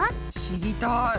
知りたい。